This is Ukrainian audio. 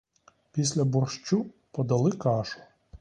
Після борщу подали кашу.